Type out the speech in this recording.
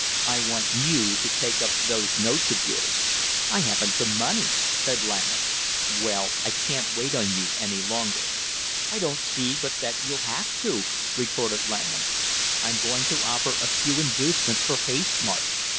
I want you to take up those notes of yours." "I haven't the money!" said Langham. "Well, I can't wait on you any longer." "I don't see but that you'll have to," retorted Langham. "I'm going to offer a few inducements for haste, Marsh.